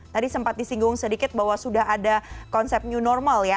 tadi sempat disinggung sedikit bahwa sudah ada konsep new normal ya